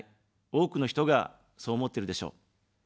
多くの人が、そう思ってるでしょう。